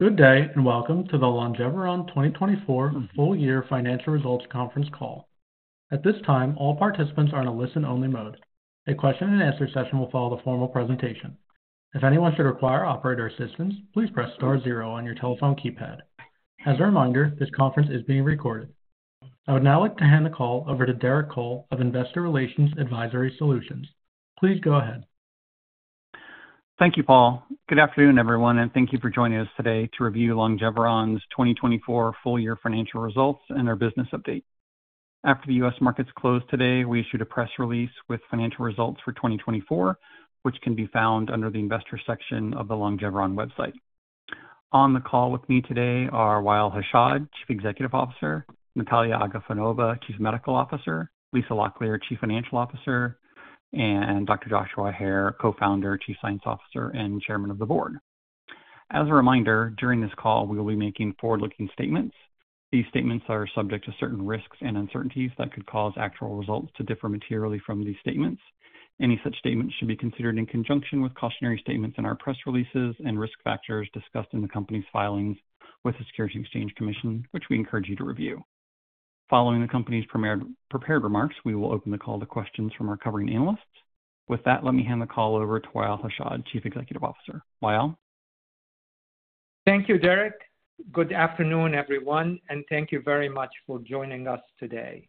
Good day and welcome to the Longeveron 2024 Full Year Financial Results Conference call. At this time, all participants are in a listen-only mode. A question-and-answer session will follow the formal presentation. If anyone should require operator assistance, please press star zero on your telephone keypad. As a reminder, this conference is being recorded. I would now like to hand the call over to Derek Cole of Investor Relations Advisory Solutions. Please go ahead. Thank you, Paul. Good afternoon, everyone, and thank you for joining us today to review Longeveron's 2024 Full Year Financial Results and our business update. After the U.S. markets closed today, we issued a press release with financial results for 2024, which can be found under the Investor section of the Longeveron website. On the call with me today are Wa'el Hashad, Chief Executive Officer; Nataliya Agafonova, Chief Medical Officer; Lisa Locklear, Chief Financial Officer; and Dr. Joshua Hare, Co-founder, Chief Science Officer and Chairman of the Board. As a reminder, during this call, we will be making forward-looking statements. These statements are subject to certain risks and uncertainties that could cause actual results to differ materially from these statements. Any such statements should be considered in conjunction with cautionary statements in our press releases and risk factors discussed in the company's filings with the Securities and Exchange Commission, which we encourage you to review. Following the company's prepared remarks, we will open the call to questions from our covering analysts. With that, let me hand the call over to Wa'el Hashad, Chief Executive Officer. Wa'el. Thank you, Derek. Good afternoon, everyone, and thank you very much for joining us today.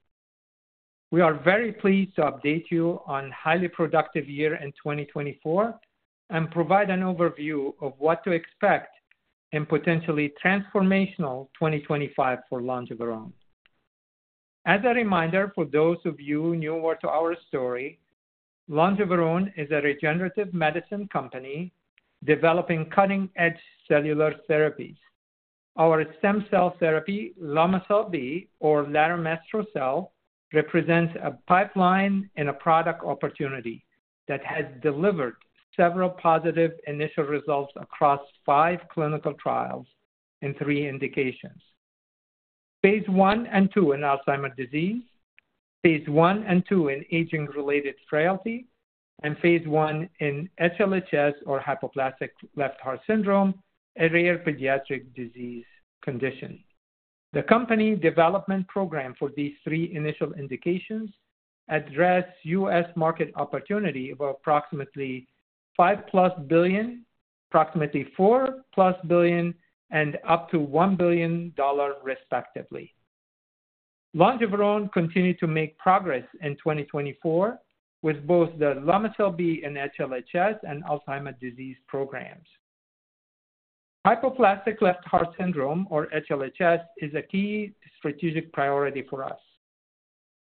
We are very pleased to update you on a highly productive year in 2024 and provide an overview of what to expect in potentially transformational 2025 for Longeveron. As a reminder, for those of you newer to our story, Longeveron is a regenerative medicine company developing cutting-edge cellular therapies. Our stem cell therapy, Lomecel-B or laromestrocel, represents a pipeline and a product opportunity that has delivered several positive initial results across five clinical trials in three indications: phase I and II in Alzheimer's disease, phase I and II in aging-related frailty, and phase I in HLHS or hypoplastic left heart syndrome, a rare pediatric disease condition. The company development program for these three initial indications addresses U.S. market opportunity of approximately +$5 billion, approximately +$4 billion, and up to $1 billion, respectively. Longeveron continued to make progress in 2024 with both the Lomecel-B and HLHS and Alzheimer's disease programs. Hypoplastic left heart syndrome or HLHS is a key strategic priority for us.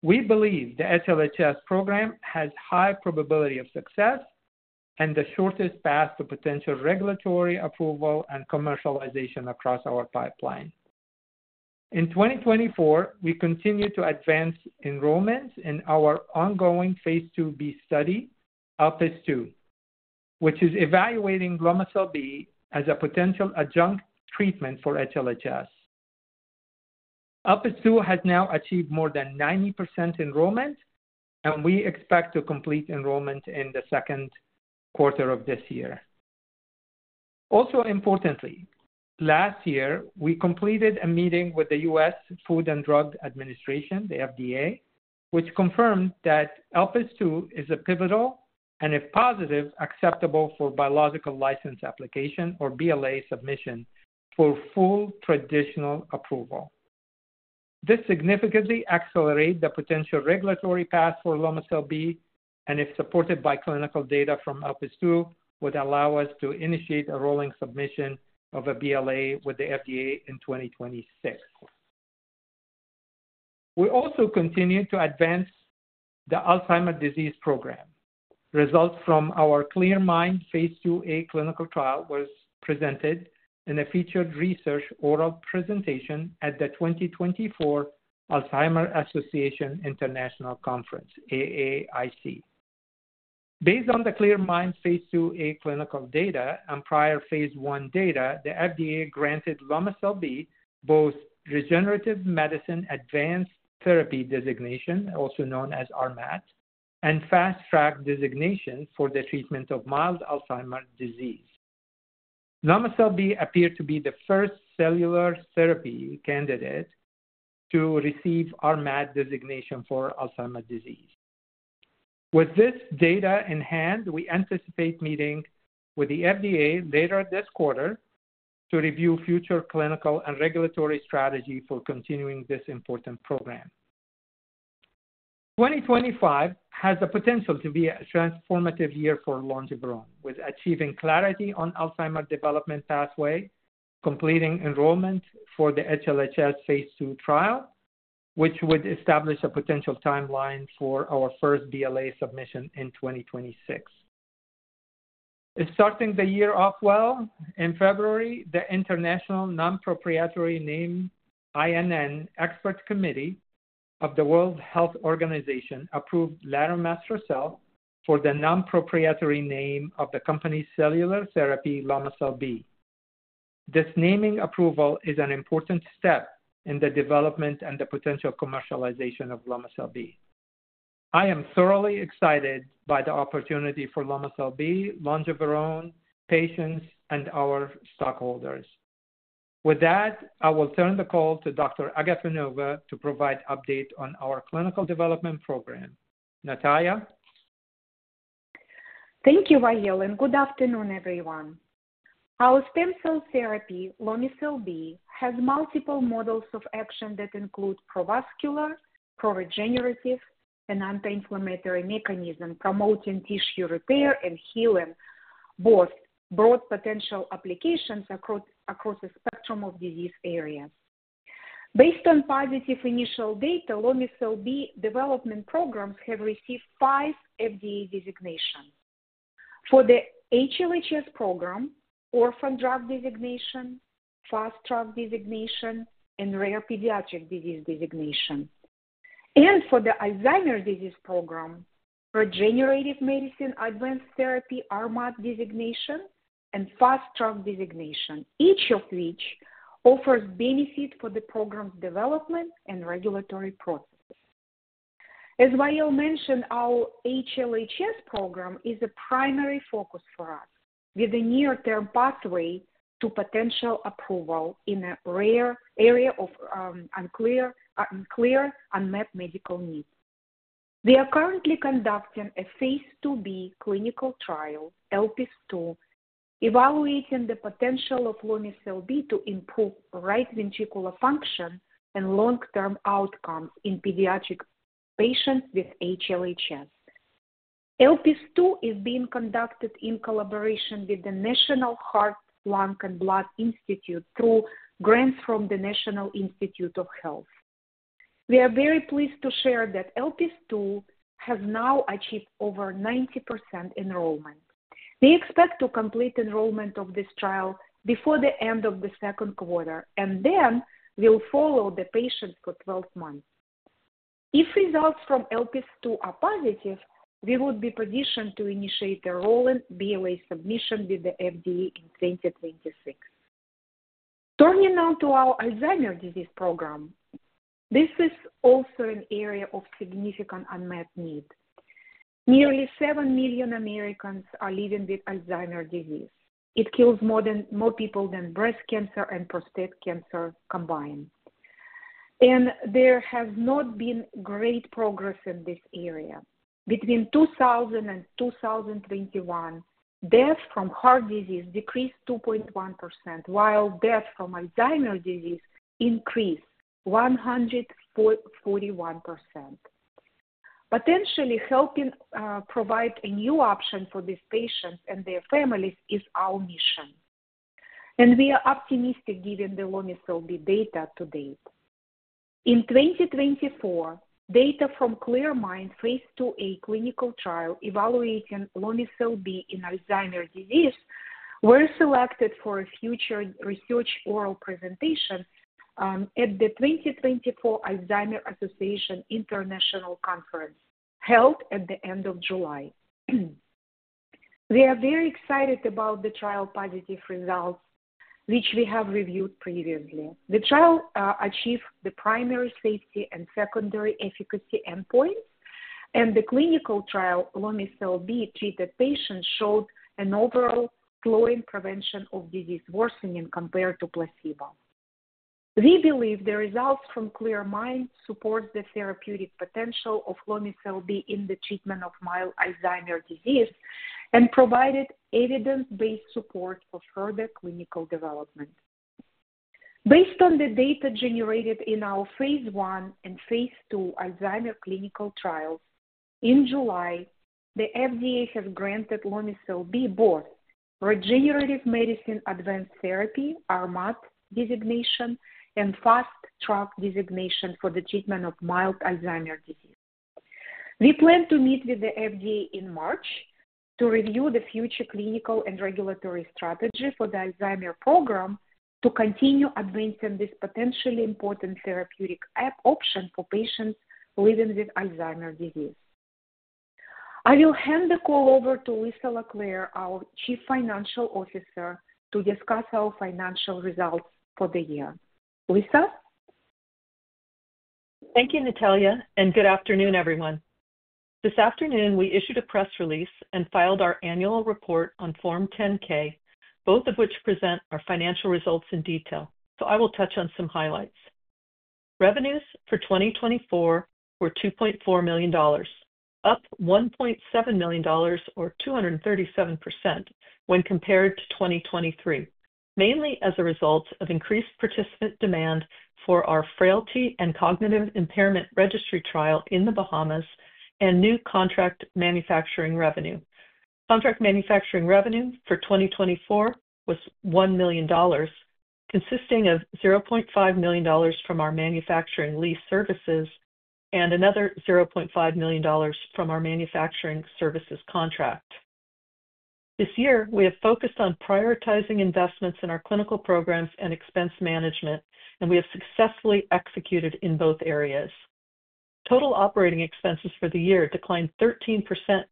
We believe the HLHS program has a high probability of success and the shortest path to potential regulatory approval and commercialization across our pipeline. In 2024, we continue to advance enrollments in our ongoing phase IIb study, ELPIS II, which is evaluating Lomecel-B as a potential adjunct treatment for HLHS. ELPIS II has now achieved more than 90% enrollment, and we expect to complete enrollment in the second quarter of this year. Also, importantly, last year, we completed a meeting with the U.S. Food and Drug Administration, the FDA, which confirmed that ELPIS II is a pivotal and, if positive, acceptable for Biologics License Application or BLA submission for full traditional approval. This significantly accelerates the potential regulatory path for Lomecel-B, and if supported by clinical data from ELPIS II, would allow us to initiate a rolling submission of a BLA with the FDA in 2026. We also continue to advance the Alzheimer's disease program. Results from our CLEAR MIND phase IIa clinical trial were presented in a featured research oral presentation at the 2024 Alzheimer's Association International Conference, AAIC. Based on the CLEAR MIND phase IIa clinical data and prior phase I data, the FDA granted Lomecel-B both Regenerative Medicine Advanced Therapy designation, also known as RMAT, and Fast Track designation for the treatment of mild Alzheimer's disease. Lomecel-B appeared to be the first cellular therapy candidate to receive RMAT designation for Alzheimer's disease. With this data in hand, we anticipate meeting with the FDA later this quarter to review future clinical and regulatory strategy for continuing this important program. 2025 has the potential to be a transformative year for Longeveron, with achieving clarity on the Alzheimer's development pathway, completing enrollment for the HLHS phase II trial, which would establish a potential timeline for our first BLA submission in 2026. Starting the year off well in February, the International Non-Proprietary Name INN Expert Committee of the World Health Organization approved laromestrocel for the non-proprietary name of the company's cellular therapy, Lomecel-B. This naming approval is an important step in the development and the potential commercialization of Lomecel-B. I am thoroughly excited by the opportunity for Lomecel-B, Longeveron, patients, and our stockholders. With that, I will turn the call to Dr. Agafonova to provide an update on our clinical development program. Nataliya? Thank you, Wa'el Hashad, and good afternoon, everyone. Our stem cell therapy, Lomecel-B, has multiple modes of action that include provascular, pro-regenerative, and anti-inflammatory mechanisms, promoting tissue repair and healing, both broad potential applications across a spectrum of disease areas. Based on positive initial data, Lomecel-B development programs have received five FDA designations: for the HLHS program, Orphan Drug Designation, Fast Track Designation, and Rare Pediatric Disease Designation, and for the Alzheimer's disease program, Regenerative Medicine Advanced Therapy, RMAT Designation, and Fast Track Designation, each of which offers benefits for the program's development and regulatory processes. As Wa'el mentioned, our HLHS program is a primary focus for us, with a near-term pathway to potential approval in a rare area of unclear, unmapped medical needs. We are currently conducting a phase IIb clinical trial, ELPIS II, evaluating the potential of Lomecel-B to improve right ventricular function and long-term outcomes in pediatric patients with HLHS. ELPIS II is being conducted in collaboration with the National Heart, Lung, and Blood Institute through grants from the National Institutes of Health. We are very pleased to share that ELPIS II has now achieved over 90% enrollment. We expect to complete enrollment of this trial before the end of the second quarter, and then we'll follow the patients for 12 months. If results from ELPIS II are positive, we would be positioned to initiate a rolling BLA submission with the FDA in 2026. Turning now to our Alzheimer's disease program, this is also an area of significant unmapped need. Nearly 7 million Americans are living with Alzheimer's disease. It kills more people than breast cancer and prostate cancer combined. There has not been great progress in this area. Between 2000 and 2021, deaths from heart disease decreased 2.1%, while deaths from Alzheimer's disease increased 141%. Potentially helping provide a new option for these patients and their families is our mission, and we are optimistic given the Lomecel-B data to date. In 2024, data from CLEAR MIND phase IIa clinical trial evaluating Lomecel-B in Alzheimer's disease were selected for a featured research oral presentation at the 2024 Alzheimer's Association International Conference held at the end of July. We are very excited about the trial positive results, which we have reviewed previously. The trial achieved the primary safety and secondary efficacy endpoints, and the clinical trial Lomecel-B treated patients showed an overall slowing prevention of disease worsening compared to placebo. We believe the results from CLEAR MIND support the therapeutic potential of Lomecel-B in the treatment of mild Alzheimer's disease and provided evidence-based support for further clinical development. Based on the data generated in our phase I and phase II Alzheimer's clinical trials in July, the FDA has granted Lomecel-B both Regenerative Medicine Advanced Therapy, RMAT Designation, and Fast Track Designation for the treatment of mild Alzheimer's disease. We plan to meet with the FDA in March to review the future clinical and regulatory strategy for the Alzheimer's program to continue advancing this potentially important therapeutic option for patients living with Alzheimer's disease. I will hand the call over to Lisa Locklear, our Chief Financial Officer, to discuss our financial results for the year. Lisa? Thank you, Nataliya, and good afternoon, everyone. This afternoon, we issued a press release and filed our annual report on Form 10-K, both of which present our financial results in detail. I will touch on some highlights. Revenues for 2024 were $2.4 million, up $1.7 million or 237% when compared to 2023, mainly as a result of increased participant demand for our frailty and cognitive impairment registry trial in the Bahamas and new contract manufacturing revenue. Contract manufacturing revenue for 2024 was $1 million, consisting of $0.5 million from our manufacturing lease services and another $0.5 million from our manufacturing services contract. This year, we have focused on prioritizing investments in our clinical programs and expense management, and we have successfully executed in both areas. Total operating expenses for the year declined 13%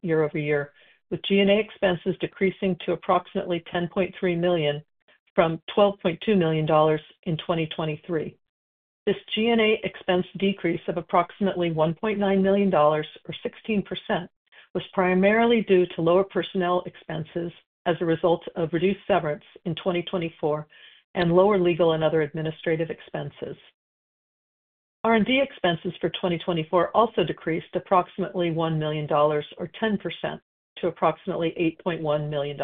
year-over-year, with G&A expenses decreasing to approximately $10.3 million from $12.2 million in 2023. This G&A expense decrease of approximately $1.9 million or 16% was primarily due to lower personnel expenses as a result of reduced severance in 2024 and lower legal and other administrative expenses. R&D expenses for 2024 also decreased approximately $1 million or 10% to approximately $8.1 million.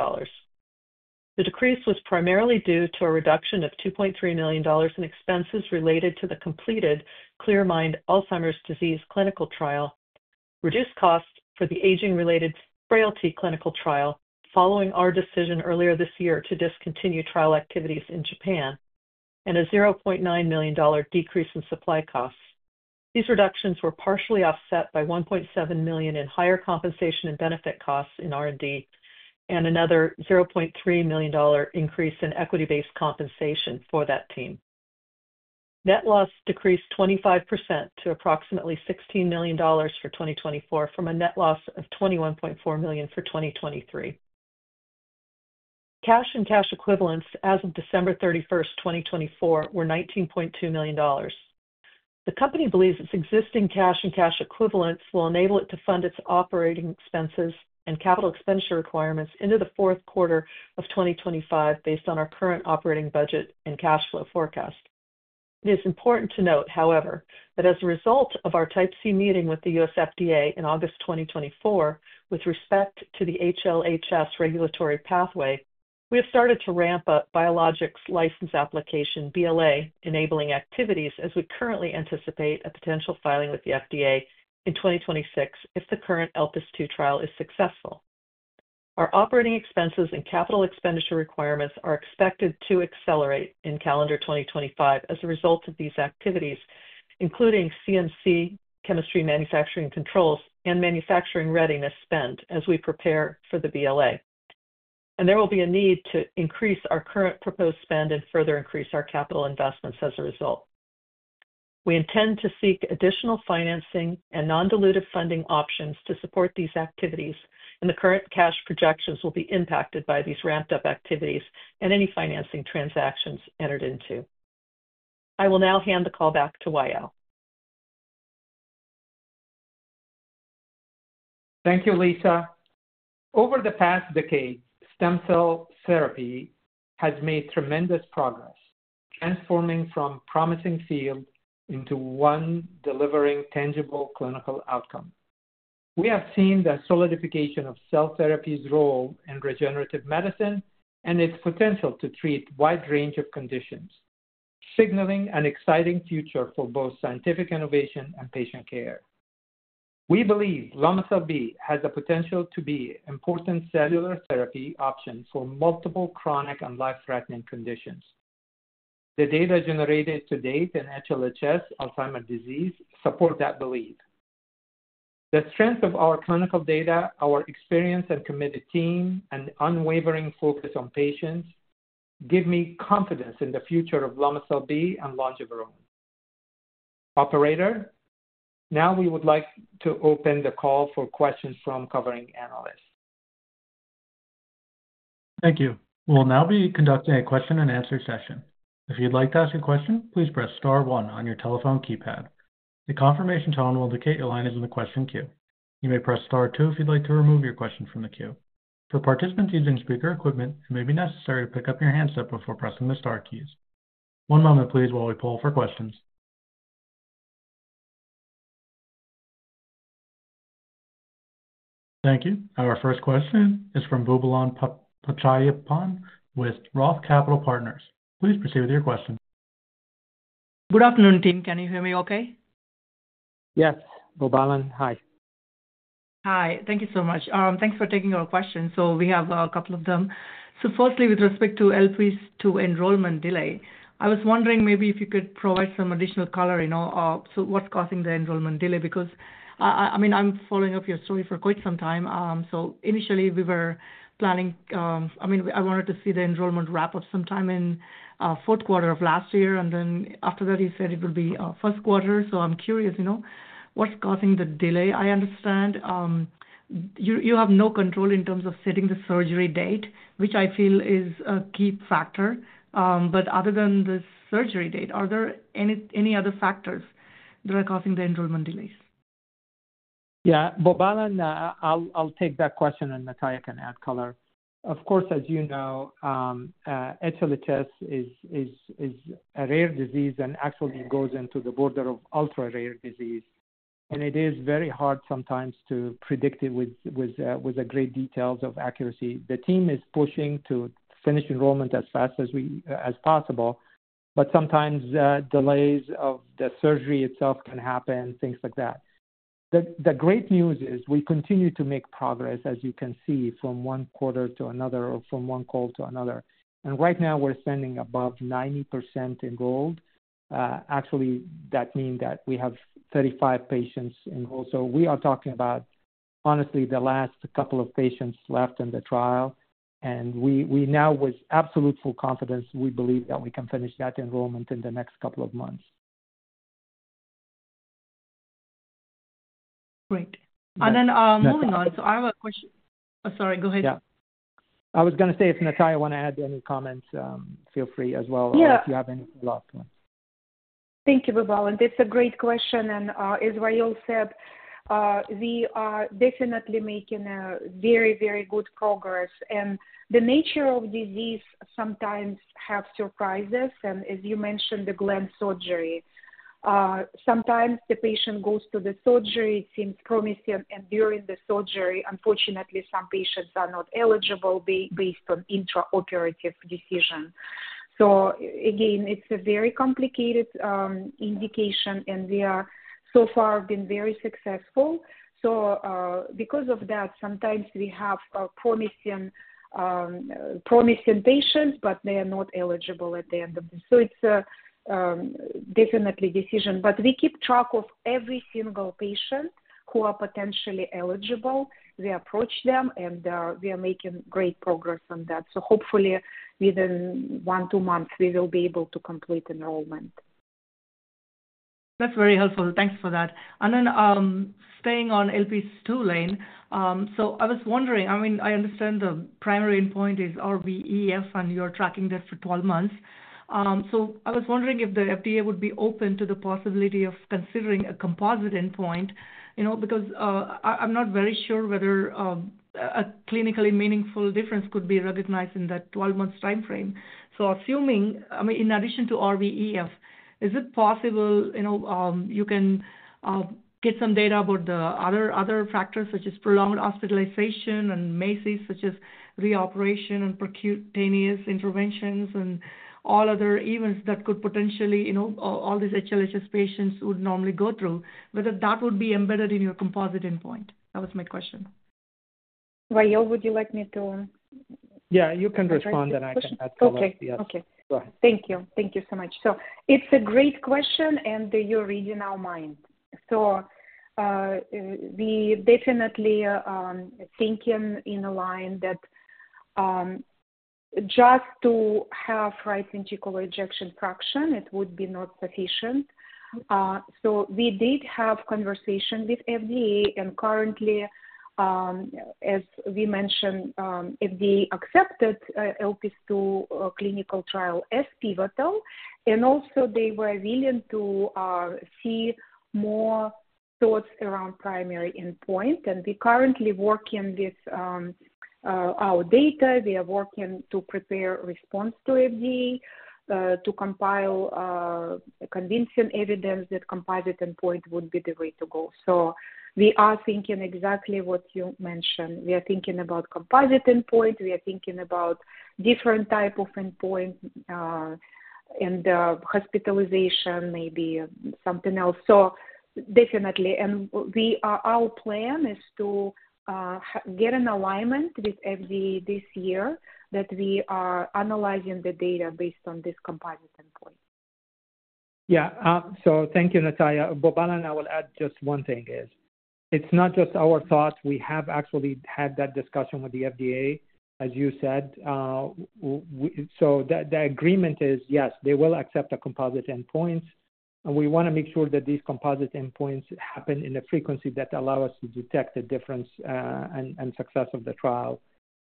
The decrease was primarily due to a reduction of $2.3 million in expenses related to the completed CLEAR MIND Alzheimer's disease clinical trial, reduced costs for the aging-related frailty clinical trial following our decision earlier this year to discontinue trial activities in Japan, and a $0.9 million decrease in supply costs. These reductions were partially offset by $1.7 million in higher compensation and benefit costs in R&D and another $0.3 million increase in equity-based compensation for that team. Net loss decreased 25% to approximately $16 million for 2024 from a net loss of $21.4 million for 2023. Cash and cash equivalents as of December 31, 2024, were $19.2 million. The company believes its existing cash and cash equivalents will enable it to fund its operating expenses and capital expenditure requirements into the fourth quarter of 2025 based on our current operating budget and cash flow forecast. It is important to note, however, that as a result of our Type C meeting with the U.S. FDA in August 2024, with respect to the HLHS regulatory pathway, we have started to ramp up Biologics License Application BLA enabling activities as we currently anticipate a potential filing with the FDA in 2026 if the current ELPIS II trial is successful. Our operating expenses and capital expenditure requirements are expected to accelerate in calendar 2025 as a result of these activities, including CMC, chemistry, manufacturing, and controls, and manufacturing readiness spend as we prepare for the BLA. There will be a need to increase our current proposed spend and further increase our capital investments as a result. We intend to seek additional financing and non-dilutive funding options to support these activities, and the current cash projections will be impacted by these ramped-up activities and any financing transactions entered into. I will now hand the call back to Wa'el Hashad. Thank you, Lisa. Over the past decade, stem cell therapy has made tremendous progress, transforming from a promising field into one delivering tangible clinical outcomes. We have seen the solidification of cell therapy's role in regenerative medicine and its potential to treat a wide range of conditions, signaling an exciting future for both scientific innovation and patient care. We believe Lomecel-B has the potential to be an important cellular therapy option for multiple chronic and life-threatening conditions. The data generated to date in HLHS and Alzheimer's disease support that belief. The strength of our clinical data, our experience and committed team, and unwavering focus on patients give me confidence in the future of Lomecel-B and Longeveron. Operator, now we would like to open the call for questions from covering analysts. Thank you. We'll now be conducting a question-and-answer session. If you'd like to ask a question, please press star one on your telephone keypad. The confirmation tone will indicate your line is in the question queue. You may press star two if you'd like to remove your question from the queue. For participants using speaker equipment, it may be necessary to pick up your handset before pressing the star keys. One moment, please, while we pull for questions. Thank you. Our first question is from Boobalan Pachaiyappan with ROTH Capital Partners. Please proceed with your question. Good afternoon, team. Can you hear me okay? Yes. Boobalan, hi. Hi. Thank you so much. Thanks for taking our questions. We have a couple of them. Firstly, with respect to ELPIS II enrollment delay, I was wondering maybe if you could provide some additional color in what's causing the enrollment delay because, I mean, I'm following up your story for quite some time. Initially, we were planning—I mean, I wanted to see the enrollment wrap up sometime in the fourth quarter of last year. After that, you said it would be the first quarter. I'm curious, you know, what's causing the delay? I understand you have no control in terms of setting the surgery date, which I feel is a key factor. Other than the surgery date, are there any other factors that are causing the enrollment delays? Yeah. Boobalan, I'll take that question, and Nataliya can add color. Of course, as you know, HLHS is a rare disease and actually goes into the border of ultra-rare disease. It is very hard sometimes to predict it with great details of accuracy. The team is pushing to finish enrollment as fast as possible, but sometimes delays of the surgery itself can happen, things like that. The great news is we continue to make progress, as you can see, from one quarter to another or from one call to another. Right now, we're sitting above 90% enrolled. Actually, that means that we have 35 patients enrolled. We are talking about, honestly, the last couple of patients left in the trial. We now, with absolute full confidence, believe that we can finish that enrollment in the next couple of months. Great. Moving on, I have a question. Sorry, go ahead. Yeah. I was going to say, if Nataliya want to add any comments, feel free as well if you have any last ones. Thank you, Boobalan. That's a great question. As Wa'el said, we are definitely making very, very good progress. The nature of disease sometimes has surprises. As you mentioned, the Glenn surgery, sometimes the patient goes to the surgery, it seems promising, and during the surgery, unfortunately, some patients are not eligible based on intraoperative decision. Again, it's a very complicated indication, and we have so far been very successful. Because of that, sometimes we have promising patients, but they are not eligible at the end of the day. It's definitely a decision. We keep track of every single patient who are potentially eligible. We approach them, and we are making great progress on that. Hopefully, within one to two months, we will be able to complete enrollment. That's very helpful. Thanks for that. Staying on ELPIS II lane, I was wondering, I mean, I understand the primary endpoint is RVEF, and you're tracking that for 12 months. I was wondering if the FDA would be open to the possibility of considering a composite endpoint because I'm not very sure whether a clinically meaningful difference could be recognized in that 12-month time frame. Assuming, I mean, in addition to RVEF, is it possible you can get some data about the other factors such as prolonged hospitalization and MACEs such as reoperation and percutaneous interventions and all other events that could potentially all these HLHS patients would normally go through, whether that would be embedded in your composite endpoint? That was my question. Wa'el, would you like me to? Yeah, you can respond, and I can add color. Okay. Okay. Thank you. Thank you so much. It's a great question, and you're reading our mind. We definitely are thinking in a line that just to have right ventricular ejection fraction, it would be not sufficient. We did have a conversation with the FDA, and currently, as we mentioned, the FDA accepted ELPIS II clinical trial as pivotal. Also, they were willing to see more thoughts around the primary endpoint. We're currently working with our data. We are working to prepare a response to the FDA to compile convincing evidence that a composite endpoint would be the way to go. We are thinking exactly what you mentioned. We are thinking about a composite endpoint. We are thinking about a different type of endpoint and hospitalization, maybe something else. Definitely, our plan is to get an alignment with the FDA this year that we are analyzing the data based on this composite endpoint. Yeah. Thank you, Nataliya. Boobalan, I will add just one thing: it's not just our thoughts. We have actually had that discussion with the FDA, as you said. The agreement is, yes, they will accept a composite endpoint. We want to make sure that these composite endpoints happen in a frequency that allows us to detect the difference and success of the trial.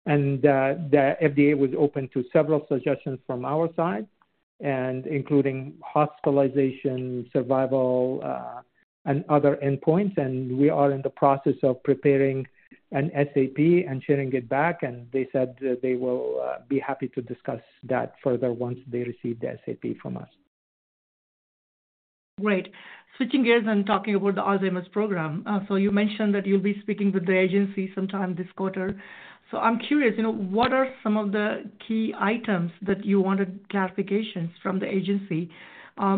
The FDA was open to several suggestions from our side, including hospitalization, survival, and other endpoints. We are in the process of preparing an SAP and sharing it back. They said they will be happy to discuss that further once they receive the SAP from us. Great. Switching gears and talking about the Alzheimer's program, you mentioned that you'll be speaking with the agency sometime this quarter. I'm curious, what are some of the key items that you wanted clarifications from the agency?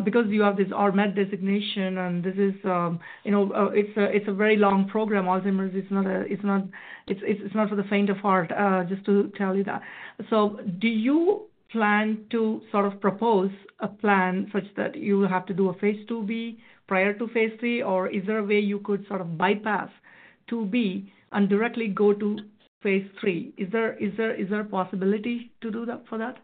Because you have this RMAT designation, and this is—it's a very long program. Alzheimer's, it's not for the faint of heart, just to tell you that. Do you plan to sort of propose a plan such that you will have to do a phase IIb prior to phase III, or is there a way you could sort of bypass IIb and directly go to phase III? Is there a possibility to do that for that?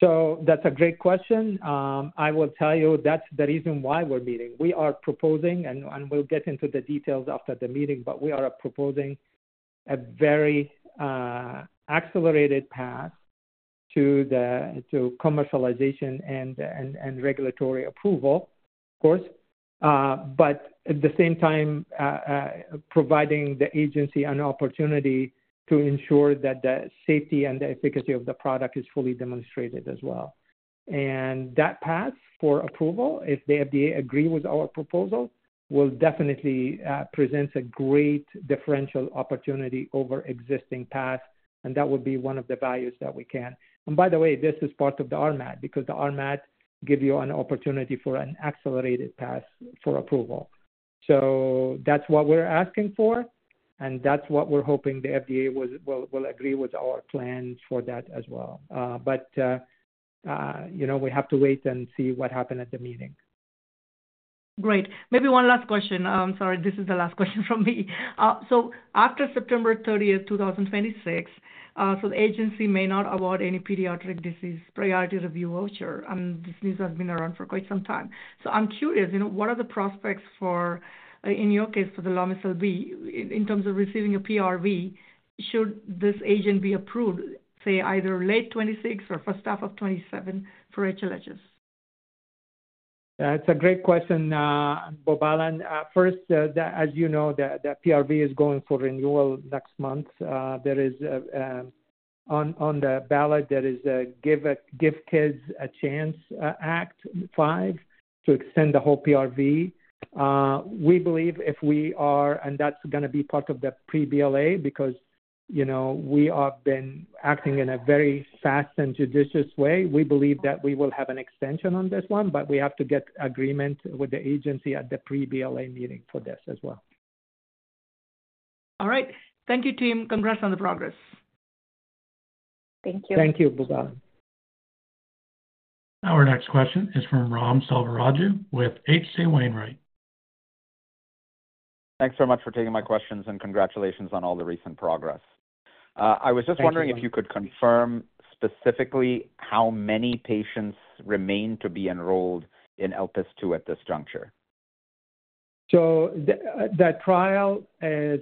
That's a great question. I will tell you that's the reason why we're meeting. We are proposing, and we'll get into the details after the meeting, but we are proposing a very accelerated path to commercialization and regulatory approval, of course, but at the same time, providing the agency an opportunity to ensure that the safety and the efficacy of the product is fully demonstrated as well. That path for approval, if the FDA agrees with our proposal, will definitely present a great differential opportunity over existing paths. That would be one of the values that we can. By the way, this is part of the RMAT because the RMAT gives you an opportunity for an accelerated path for approval. That's what we're asking for, and that's what we're hoping the FDA will agree with our plan for that as well. We have to wait and see what happens at the meeting. Great. Maybe one last question. I'm sorry. This is the last question from me. After September 30, 2026, the agency may not award any pediatric disease priority review voucher, and this news has been around for quite some time. I'm curious, what are the prospects for, in your case, for the Lomecel-B in terms of receiving a PRV? Should this agent be approved, say, either late 2026 or first half of 2027 for HLHS? Yeah, it's a great question, Boobalan. First, as you know, the PRV is going for renewal next month. On the ballot, there is a Give Kids a Chance Act 2025 to extend the whole PRV. We believe if we are—and that's going to be part of the pre-BLA because we have been acting in a very fast and judicious way—we believe that we will have an extension on this one, but we have to get agreement with the agency at the pre-BLA meeting for this as well. All right. Thank you, team. Congrats on the progress. Thank you. Thank you, Boobalan. Our next question is from Ram Selvaraju with H.C. Wainwright. Thanks very much for taking my questions and congratulations on all the recent progress. I was just wondering if you could confirm specifically how many patients remain to be enrolled in ELPIS II at this juncture. The trial, as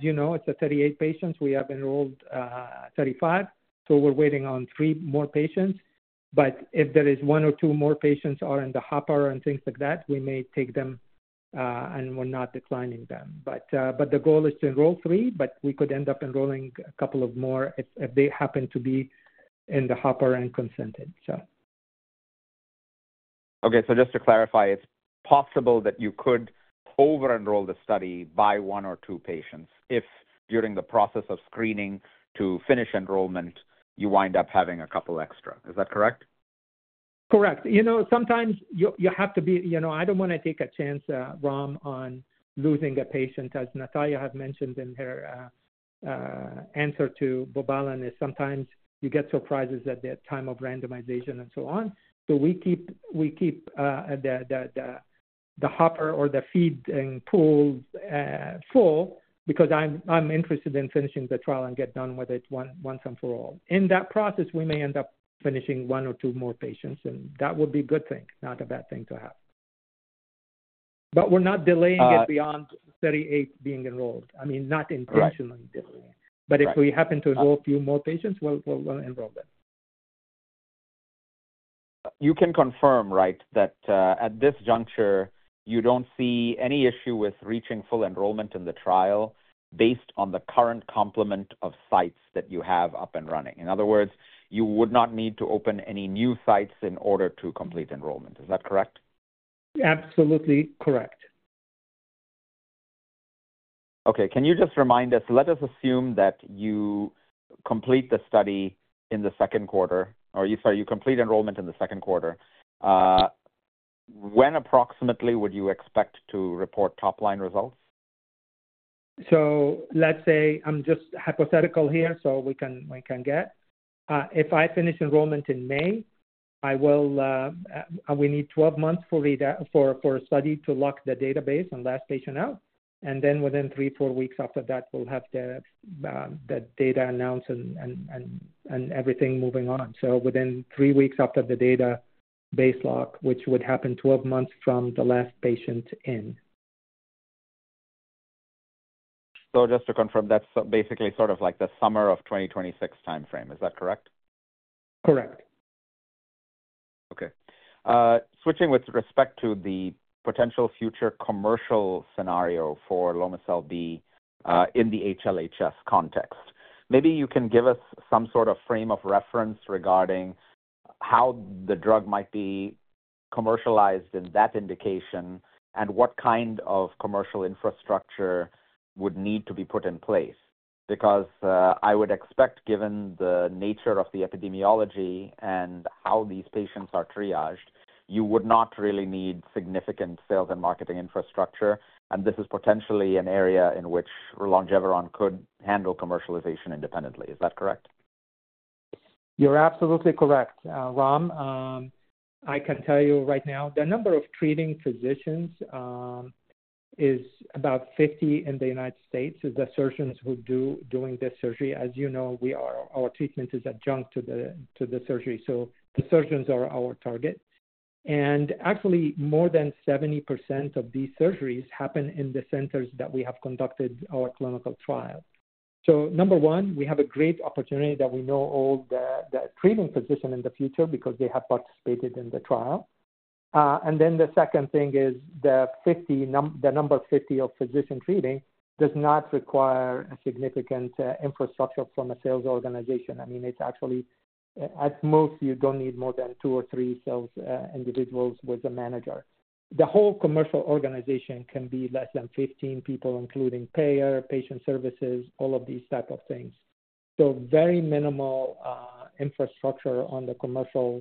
you know, it's 38 patients. We have enrolled 35. We're waiting on three more patients. If there are one or two more patients in the hopper and things like that, we may take them, and we're not declining them. The goal is to enroll three, but we could end up enrolling a couple more if they happen to be in the hopper and consented. Okay. Just to clarify, it's possible that you could over-enroll the study by one or two patients if during the process of screening to finish enrollment, you wind up having a couple extra. Is that correct? Correct. Sometimes you have to be—I don't want to take a chance, Ram, on losing a patient, as Nataliya has mentioned in her answer to Boobalan, is sometimes you get surprises at the time of randomization and so on. We keep the hopper or the feeding pool full because I'm interested in finishing the trial and getting done with it once and for all. In that process, we may end up finishing one or two more patients, and that would be a good thing, not a bad thing to have. We're not delaying it beyond 38 being enrolled. I mean, not intentionally delaying. If we happen to enroll a few more patients, we'll enroll them. You can confirm, right, that at this juncture, you don't see any issue with reaching full enrollment in the trial based on the current complement of sites that you have up and running. In other words, you would not need to open any new sites in order to complete enrollment. Is that correct? Absolutely correct. Okay. Can you just remind us? Let us assume that you complete the study in the second quarter, or sorry, you complete enrollment in the second quarter. When approximately would you expect to report top-line results? Let's say I'm just hypothetical here so we can get. If I finish enrollment in May, we need 12 months for a study to lock the database and last patient out. Then within three, four weeks after that, we'll have the data announced and everything moving on. Within three weeks after the database lock, which would happen 12 months from the last patient in. Just to confirm, that's basically sort of like the summer of 2026 timeframe. Is that correct? Correct. Okay. Switching with respect to the potential future commercial scenario for Lomecel-B in the HLHS context, maybe you can give us some sort of frame of reference regarding how the drug might be commercialized in that indication and what kind of commercial infrastructure would need to be put in place because I would expect, given the nature of the epidemiology and how these patients are triaged, you would not really need significant sales and marketing infrastructure. This is potentially an area in which Longeveron could handle commercialization independently. Is that correct? You're absolutely correct, Ram. I can tell you right now, the number of treating physicians is about 50 in the United States as the surgeons who are doing this surgery. As you know, our treatment is adjunct to the surgery. The surgeons are our target. Actually, more than 70% of these surgeries happen in the centers that we have conducted our clinical trial. Number one, we have a great opportunity that we know all the treating physicians in the future because they have participated in the trial. The second thing is the number 50 of physicians treating does not require a significant infrastructure from a sales organization. I mean, it's actually, at most, you don't need more than two or three sales individuals with a manager. The whole commercial organization can be less than 15 people, including payer, patient services, all of these types of things. Very minimal infrastructure on the commercial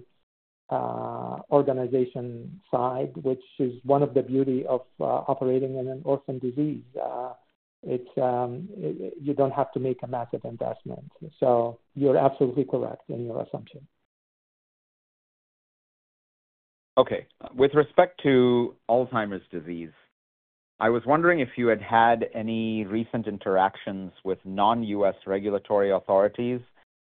organization side, which is one of the beauties of operating in an orphan disease. You don't have to make a massive investment. You're absolutely correct in your assumption. Okay. With respect to Alzheimer's disease, I was wondering if you had had any recent interactions with non-U.S. regulatory authorities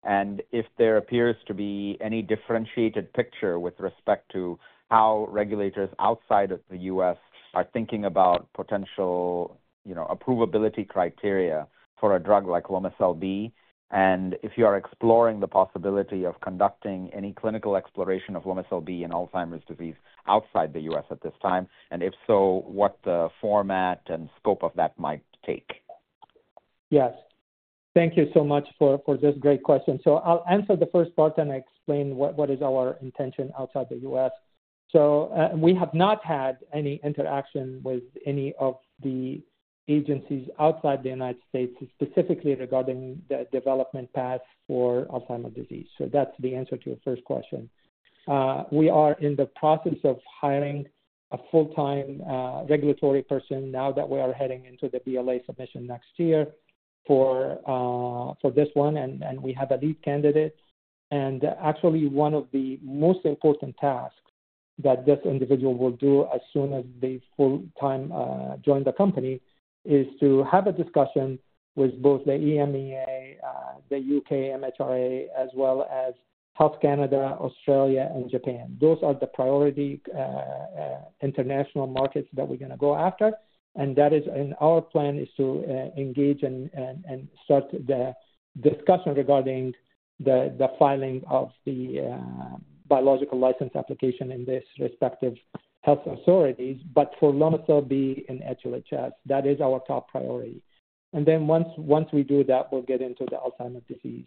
and if there appears to be any differentiated picture with respect to how regulators outside of the U.S. are thinking about potential approvability criteria for a drug like Lomecel-B. If you are exploring the possibility of conducting any clinical exploration of Lomecel-B in Alzheimer's disease outside the U.S. at this time, and if so, what the format and scope of that might take. Yes. Thank you so much for this great question. I'll answer the first part and explain what is our intention outside the U.S. We have not had any interaction with any of the agencies outside the United States specifically regarding the development path for Alzheimer's disease. That's the answer to your first question. We are in the process of hiring a full-time regulatory person now that we are heading into the BLA submission next year for this one, and we have a lead candidate. Actually, one of the most important tasks that this individual will do as soon as they full-time join the company is to have a discussion with both the EMEA, the U.K. MHRA, as well as Health Canada, Australia, and Japan. Those are the priority international markets that we're going to go after. That is, and our plan is to engage and start the discussion regarding the filing of the Biologics License Application in these respective health authorities. For Lomecel-B in HLHS, that is our top priority. Once we do that, we'll get into the Alzheimer's disease.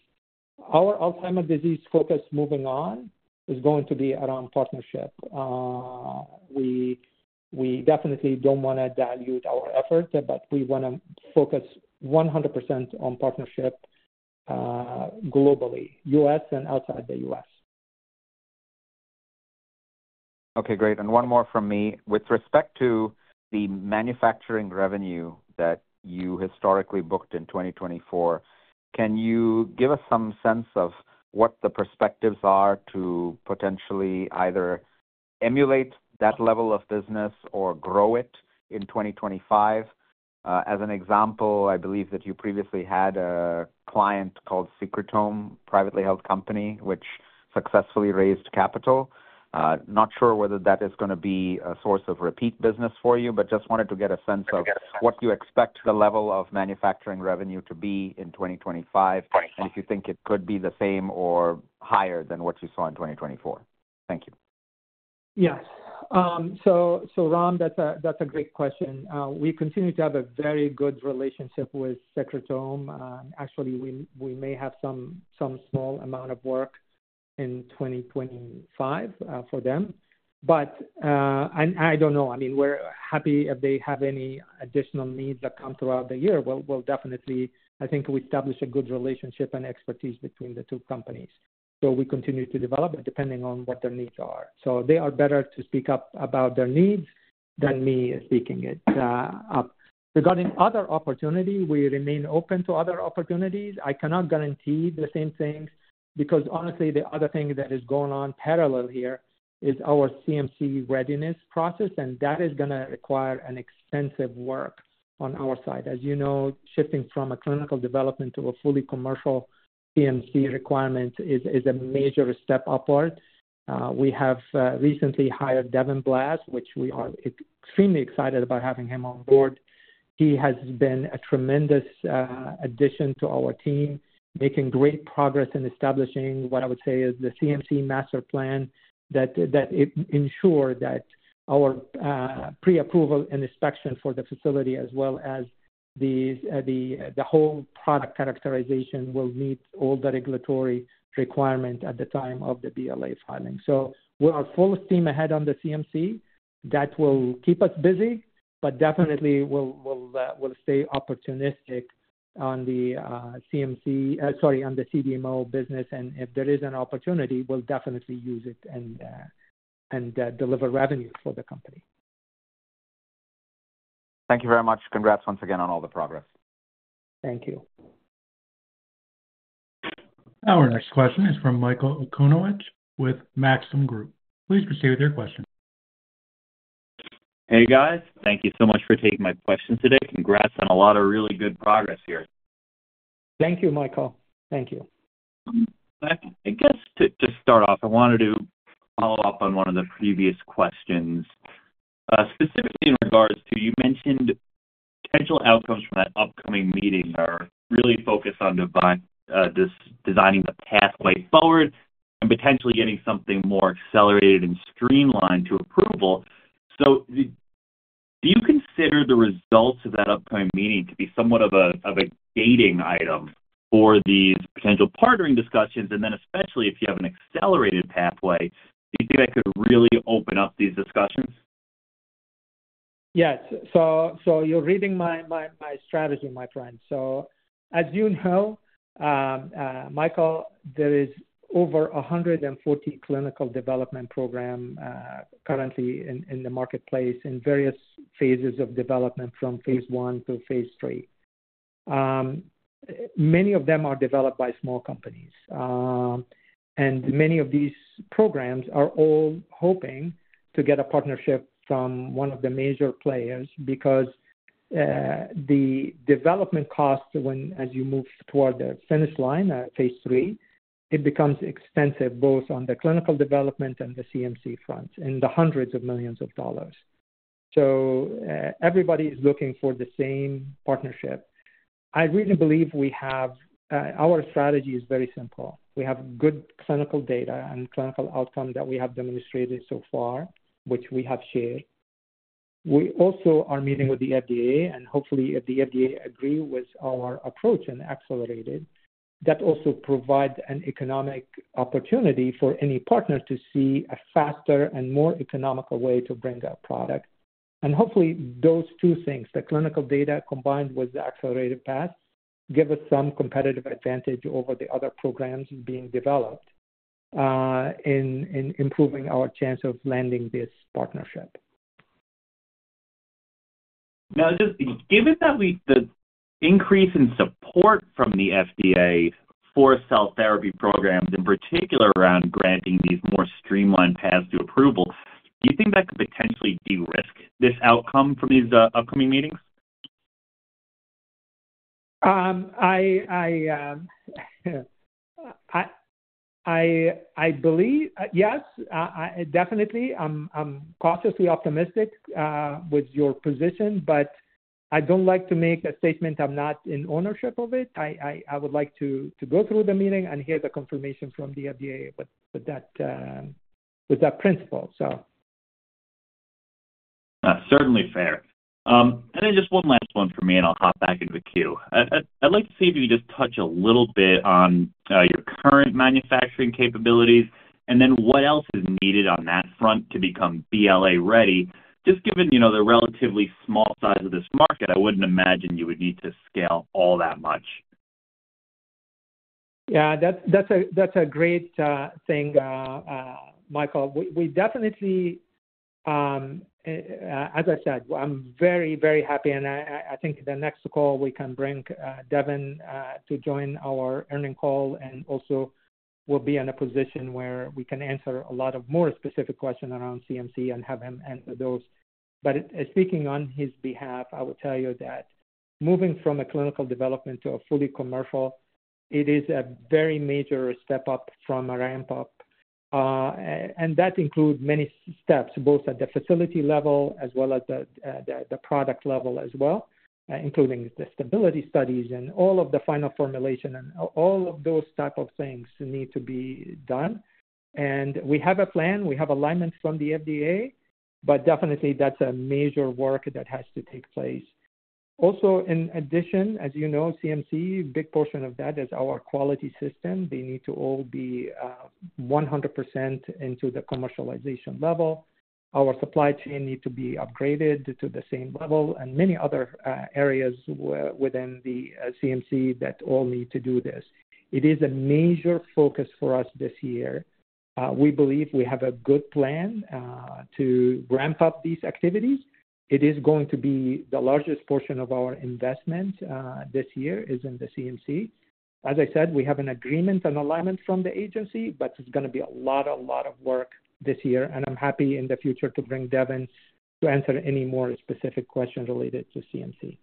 Our Alzheimer's disease focus moving on is going to be around partnership. We definitely don't want to dilute our effort, but we want to focus 100% on partnership globally, U.S. and outside the U.S. Okay. Great. One more from me. With respect to the manufacturing revenue that you historically booked in 2024, can you give us some sense of what the perspectives are to potentially either emulate that level of business or grow it in 2025? As an example, I believe that you previously had a client called Secretome, a privately held company, which successfully raised capital. Not sure whether that is going to be a source of repeat business for you, but just wanted to get a sense of what you expect the level of manufacturing revenue to be in 2025 and if you think it could be the same or higher than what you saw in 2024. Thank you. Yes. Ram, that's a great question. We continue to have a very good relationship with Secretome. Actually, we may have some small amount of work in 2025 for them. I don't know. I mean, we're happy if they have any additional needs that come throughout the year. We'll definitely, I think we established a good relationship and expertise between the two companies. We continue to develop depending on what their needs are. They are better to speak up about their needs than me speaking it up. Regarding other opportunity, we remain open to other opportunities. I cannot guarantee the same things because honestly, the other thing that is going on parallel here is our CMC readiness process, and that is going to require extensive work on our side. As you know, shifting from a clinical development to a fully commercial CMC requirement is a major step upward. We have recently hired Devin Blass, which we are extremely excited about having him on board. He has been a tremendous addition to our team, making great progress in establishing what I would say is the CMC master plan that ensures that our pre-approval and inspection for the facility, as well as the whole product characterization, will meet all the regulatory requirements at the time of the BLA filing. We are full steam ahead on the CMC. That will keep us busy, but definitely we'll stay opportunistic on the CMC, sorry, on the CDMO business. If there is an opportunity, we'll definitely use it and deliver revenue for the company. Thank you very much. Congrats once again on all the progress. Thank you. Our next question is from Michael Okunewitch with Maxim Group. Please proceed with your question. Hey, guys. Thank you so much for taking my question today. Congrats on a lot of really good progress here. Thank you, Michael. Thank you. I guess to start off, I wanted to follow up on one of the previous questions, specifically in regards to you mentioned potential outcomes from that upcoming meeting that are really focused on designing the pathway forward and potentially getting something more accelerated and streamlined to approval. Do you consider the results of that upcoming meeting to be somewhat of a gating item for these potential partnering discussions? Especially if you have an accelerated pathway, do you think that could really open up these discussions? Yes. So you're reading my strategy, my friend. As you know, Michael, there is over 140 clinical development programs currently in the marketplace in various phases of development from phase I to phase III. Many of them are developed by small companies. Many of these programs are all hoping to get a partnership from one of the major players because the development costs, as you move toward the finish line at phase III, become extensive both on the clinical development and the CMC front in the hundreds of millions of dollars. Everybody is looking for the same partnership. I really believe we have our strategy is very simple. We have good clinical data and clinical outcomes that we have demonstrated so far, which we have shared. We also are meeting with the FDA, and hopefully, if the FDA agrees with our approach and accelerates it, that also provides an economic opportunity for any partner to see a faster and more economical way to bring a product. Hopefully, those two things, the clinical data combined with the accelerated path, give us some competitive advantage over the other programs being developed in improving our chance of landing this partnership. Now, just given that the increase in support from the FDA for cell therapy programs, in particular around granting these more streamlined paths to approval, do you think that could potentially de-risk this outcome from these upcoming meetings? Yes, definitely. I'm cautiously optimistic with your position, but I don't like to make a statement I'm not in ownership of it. I would like to go through the meeting and hear the confirmation from the FDA with that principle. That's certainly fair. Just one last one for me, and I'll hop back into the queue. I'd like to see if you could just touch a little bit on your current manufacturing capabilities and then what else is needed on that front to become BLA ready. Just given the relatively small size of this market, I wouldn't imagine you would need to scale all that much. Yeah, that's a great thing, Michael. We definitely, as I said, I'm very, very happy. I think the next call, we can bring Devin to join our earning call, and also we'll be in a position where we can answer a lot of more specific questions around CMC and have him answer those. Speaking on his behalf, I will tell you that moving from a clinical development to a fully commercial, it is a very major step up from a ramp-up. That includes many steps, both at the facility level as well as the product level as well, including the stability studies and all of the final formulation and all of those types of things need to be done. We have a plan. We have alignment from the FDA, but definitely that's a major work that has to take place. Also, in addition, as you know, CMC, a big portion of that is our quality system. They need to all be 100% into the commercialization level. Our supply chain needs to be upgraded to the same level and many other areas within the CMC that all need to do this. It is a major focus for us this year. We believe we have a good plan to ramp up these activities. It is going to be the largest portion of our investment this year is in the CMC. As I said, we have an agreement and alignment from the agency, but it's going to be a lot, a lot of work this year. I'm happy in the future to bring Devin to answer any more specific questions related to CMC.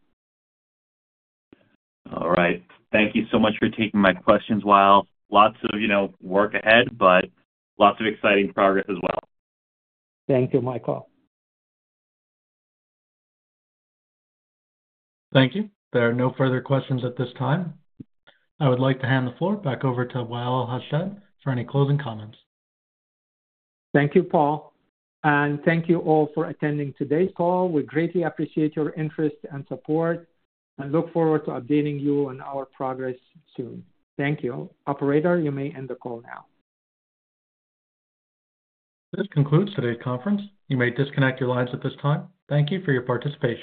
All right. Thank you so much for taking my questions, Wa'el. Lots of work ahead, but lots of exciting progress as well. Thank you, Michael. Thank you. There are no further questions at this time. I would like to hand the floor back over to Wa'el Hashad for any closing comments. Thank you, Paul. Thank you all for attending today's call. We greatly appreciate your interest and support and look forward to updating you on our progress soon. Thank you. Operator, you may end the call now. That concludes today's conference. You may disconnect your lines at this time. Thank you for your participation.